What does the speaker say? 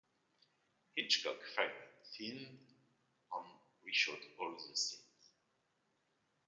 Hitchcock fired Thinnes and re-shot all of his scenes.